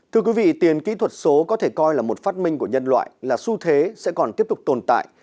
thưa quý vị tiền kỹ thuật số có thể coi là một phát minh của nhân loại là su thế sẽ còn tiếp tục tồn tại